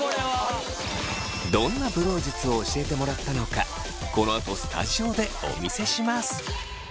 どんなブロー術を教えてもらったのかこのあとスタジオでお見せします。